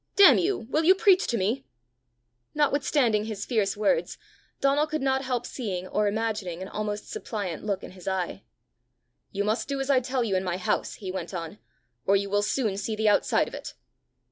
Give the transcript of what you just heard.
"Damn you! will you preach to me?" Notwithstanding his fierce words, Donal could not help seeing or imagining an almost suppliant look in his eye. "You must do as I tell you in my house," he went on, "or you will soon see the outside of it.